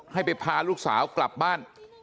ให้ไปพาลูกสาวกลับบ้าน